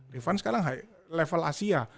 rifan sekarang level asia